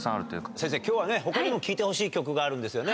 先生、きょうはね、ほかにも聴いてほしい曲があるんですよね。